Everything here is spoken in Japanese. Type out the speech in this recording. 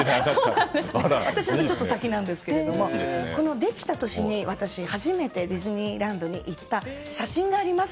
私はもうちょっと先なんですけどできた年に私、初めてディズニーランドに行った写真があります。